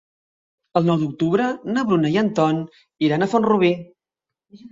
El nou d'octubre na Bruna i en Ton iran a Font-rubí.